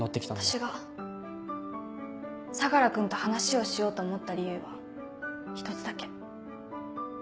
私が相楽君と話をしようと思った理由は一つだけ。